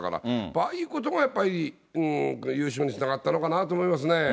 ああいうことがやっぱり優勝につながったのかなと思いますね。